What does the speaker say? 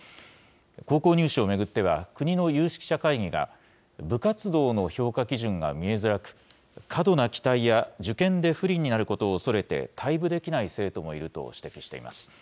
高校入試を巡っては、国の有識者会議が、部活動の評価基準が見えづらく、過度な期待や受験で不利になることをおそれて退部できない生徒もいると指摘しています。